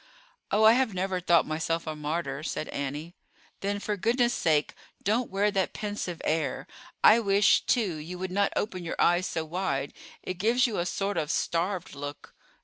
"Oh, I have never thought myself a martyr," said Annie. "Then, for goodness' sake, don't wear that pensive air. I wish, too, you would not open your eyes so wide. It gives you a sort of starved look."